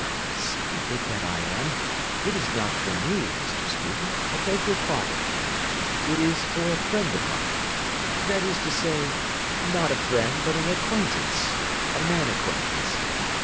"Stupid that I am! It is not for me, Mr. Student, I beg your pardon. It is for a friend of mine, that is to say, not a friend but an acquaintance a man acquaintance.